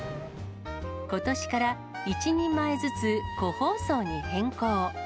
ことしから１人前ずつ個包装に変更。